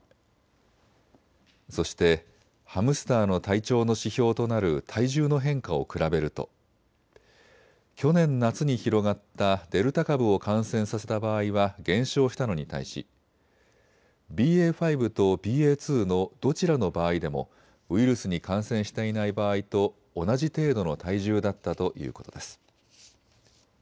そしてハムスターの体調の指標となる体重の変化を比べると去年夏に広がったデルタ株を感染させた場合は減少したのに対しＢＡ．５とＢＡ．２のどちらの場合でもウイルスに感染していない場合と同じ程度の体重だったということです。